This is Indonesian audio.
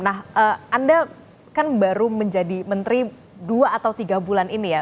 nah anda kan baru menjadi menteri dua atau tiga bulan ini ya